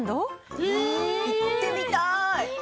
行ってみたい。